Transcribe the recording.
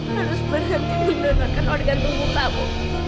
terus berhenti menonarkan organ tubuh kamu